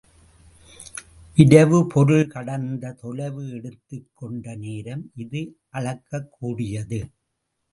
விரைவு பொருள் கடந்த தொலைவு எடுத்துக் கொண்ட நேரம் இது அளக்கக் கூடியது.